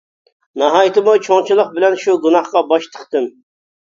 ناھايىتىمۇ چوڭچىلىق بىلەن شۇ گۇناھقا باش تىقتىم.